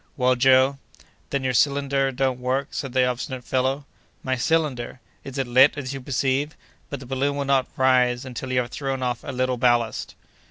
"Well, Joe?" "Then your cylinder don't work," said the obstinate fellow. "My cylinder? It is lit, as you perceive. But the balloon will not rise until you have thrown off a little ballast."